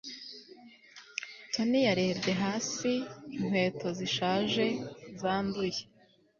tony yarebye hasi inkweto zishaje zanduye